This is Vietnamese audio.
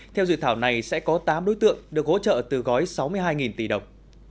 theo dự thảo này sẽ có tám đối tượng được hỗ trợ từ gói sáu mươi hai tỷ đồng